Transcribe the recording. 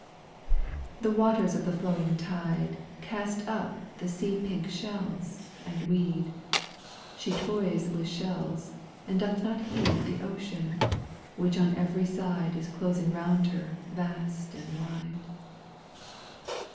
The waters of the flowing tide Cast up the sea pink shells and weed; She toys with shells, and doth not heed The ocean, which on every side Is closing round her vast and wide.